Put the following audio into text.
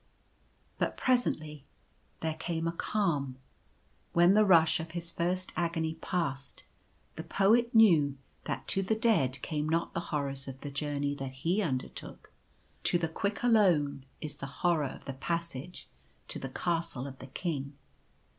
But presently there came a calm. When the rush of his first agony passed, the Poet knew that to the Dead came not the horrors of the journey that he undertook. To the Quick alone is the horror of the passage to the Castle of the King.